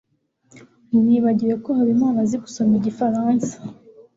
Nibagiwe ko Habimana azi gusoma igifaransa.